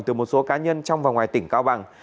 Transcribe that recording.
từ một số cá nhân trong và ngoài tỉnh cao bằng